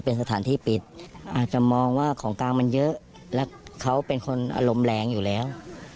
เป็นสถานที่ปิดอาจจะมองว่าของกลางมันเยอะและเขาเป็นคนอารมณ์แรงอยู่แล้ว